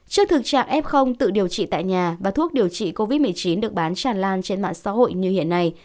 trước thực trạng f tự điều trị tại nhà và thuốc điều trị covid một mươi chín được bán tràn lan trên mạng xã hội như hiện nay